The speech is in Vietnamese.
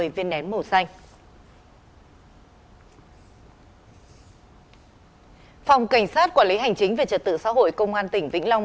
viên nén màu xanh ở phòng cảnh sát quản lý hành chính về trật tự xã hội công an tỉnh vĩnh long